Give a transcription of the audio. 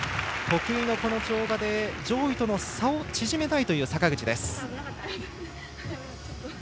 得意の跳馬で上位との差を縮めたいという坂口です。